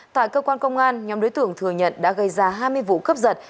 tại cơ quan công an nhóm đối tượng thừa nhận đã gây ra hai mươi vụ cướp giật